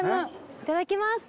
いただきます。